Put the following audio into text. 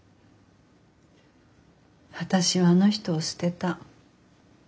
私はあの人を捨てた。